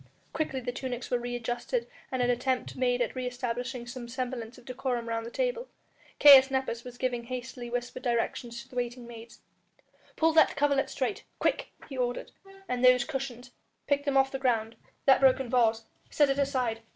Quickly the tunics were re adjusted and an attempt made at re establishing some semblance of decorum round the table. Caius Nepos was giving hastily whispered directions to the waiting maids. "Pull that coverlet straight, quick!" he ordered, "and those cushions, pick them off the ground ... that broken vase, set it aside....